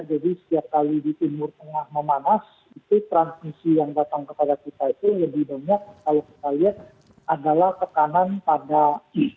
jadi setiap kali di timur tengah memanas itu transmisi yang datang kepada kita itu lebih banyak kalau sekalian adalah ke kanan pada i